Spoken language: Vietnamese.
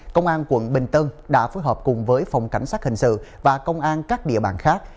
công an quận bình tân đã phối hợp cùng với phòng cảnh sát hình sự và công an các địa bàn khác